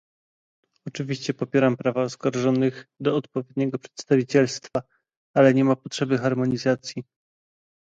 Oczywiście popieram prawa oskarżonych do odpowiedniego przedstawicielstwa, ale nie ma potrzeby harmonizacji